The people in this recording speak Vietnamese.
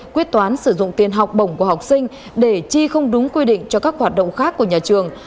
quyết toán sử dụng tiền học bổng của học sinh để chi không đúng quy định cho các hoạt động khác của nhà trường